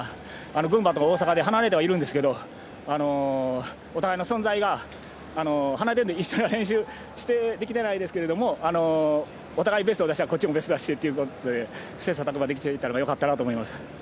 群馬と大阪で離れてはいるんですけどお互いの存在が、離れているので一緒に練習できてないですけどお互い、ベストを出したらこっちもベストを出してと切さたく磨できていたのがよかったなと思います。